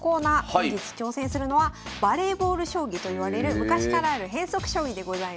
本日挑戦するのはバレーボール将棋といわれる昔からある変則将棋でございます。